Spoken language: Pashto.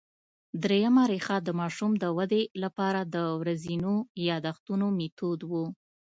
درېیمه ریښه د ماشوم د ودې له پاره د ورځينو یادښتونو مېتود وو